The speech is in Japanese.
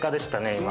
今。